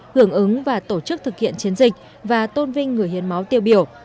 hưởng ứng và tổ chức thực hiện chiến dịch và tôn vinh người hiến máu tiêu biểu